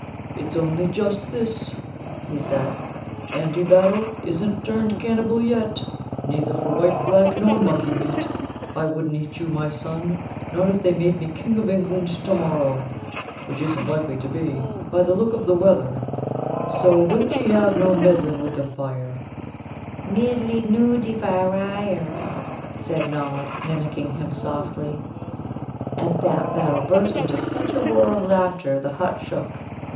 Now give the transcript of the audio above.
"It's only just this," he said. "Andy Battle isn't turned cannibal yet neither for white, black, nor monkey meat. I wouldn't eat you, my son, not if they made me King of England to morrow, which isn't likely to be, by the look of the weather, so don't ee have no meddlin' with the fire!" "Middlinooiddyvire," said Nod, mimicking him softly. And at that Battle burst into such a roar of laughter the hut shook.